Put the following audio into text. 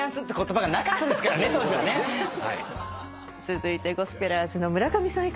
続いてゴスペラーズの村上さん